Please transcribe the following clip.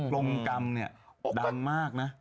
กรงกรรมเนี่ยดังมากนะ